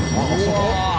うわ！